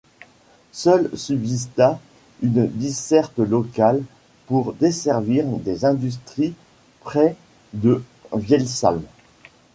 Seule subsista une desserte locale pour desservir des industries près de Vielsalm.